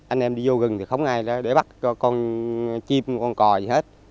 anh em đi vô rừng thì không ai để bắt con chim con cò gì hết